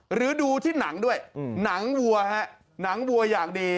หรือดูที่หนังด้วยหนังวัวฮะหนังวัวอย่างดี